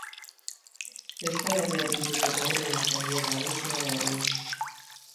Euskal Herria Bilduko koordinatzaile nagusia da egun.